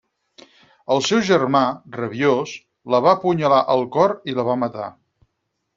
El seu germà, rabiós, la va apunyalar al cor i la va matar.